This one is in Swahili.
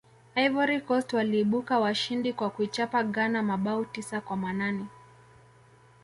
ivory coast waliibuka washindi kwa kuichapa ghana mabao tisa kwa manane